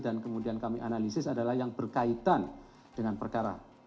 dan kemudian kami analisis adalah yang berkaitan dengan perkara